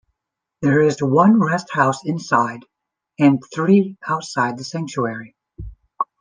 There is one rest house inside, and three outside the sanctuary.